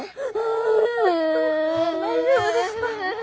大丈夫ですか？